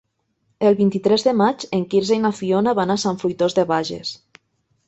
El vint-i-tres de maig en Quirze i na Fiona van a Sant Fruitós de Bages.